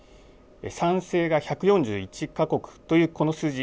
賛成が１４１か国というこの数字